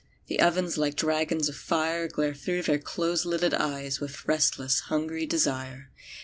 The ovens like dragons of fire Glare thro' their close lidded eyes With restless hungry desire.